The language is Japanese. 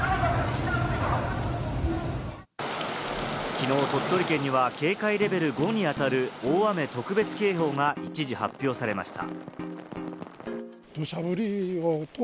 きのう鳥取県には警戒レベル５にあたる、大雨特別警報が一時発表されました。